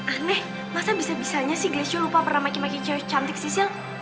aneh masa bisa bisanya sih lesio lupa pernah maki maki cewek cantik sisil